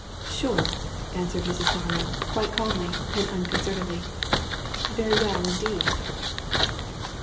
"Sure!" answered Mrs. Marlow, quite calmly and unconcernedly. "Very well indeed."